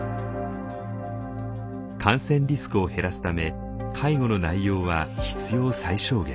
感染リスクを減らすため介護の内容は必要最小限。